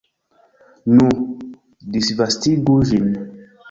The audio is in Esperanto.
Nu, disvastigu ĝin!